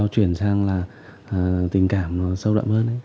chuyển sang là tình cảm sâu đậm hơn